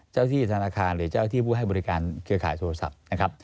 เจ้าที่ธนาคารหรือเจ้าที่ผู้ให้บริการเครือข่ายโทรศัพท์นะครับ